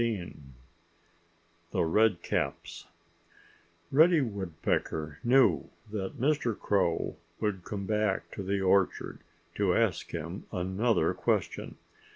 *XV* *THE REDCAPS* Reddy Woodpecker knew that Mr. Crow would come back to the orchard to ask him another question.